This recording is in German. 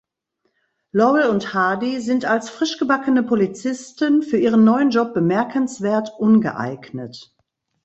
Laurel und Hardy sind als frischgebackene Polizisten für ihren neuen Job bemerkenswert ungeeignet.